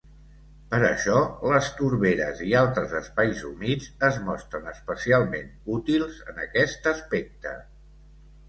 Per això, les torberes i altres espais humits es mostren especialment útils en aquest aspecte.